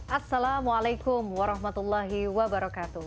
assalamualaikum warahmatullahi wabarakatuh